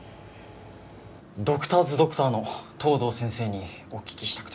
ドクターズドクターの藤堂先生にお聞きしたくて。